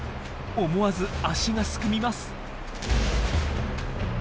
思わず足がすくみます。